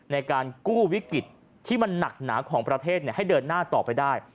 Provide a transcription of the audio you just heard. ในการกู้วิกฤตที่มันหนักหนาของประเทศให้เดินหน้าต่อไปได้